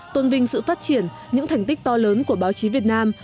tôn vinh sự phát triển những thành tích to lớn của báo chí việt nam